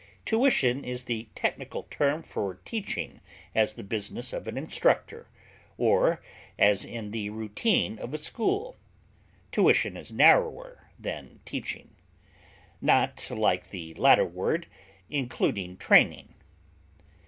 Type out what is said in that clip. Tuition is the technical term for teaching as the business of an instructor or as in the routine of a school; tuition is narrower than teaching, not, like the latter word, including training.